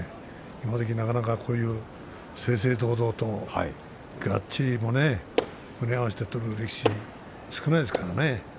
今どき、なかなかこういう正々堂々と、がっちりと胸を合わせて取る力士少ないですからね。